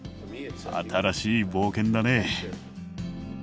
新しい冒険だね。